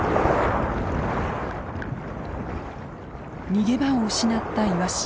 逃げ場を失ったイワシ。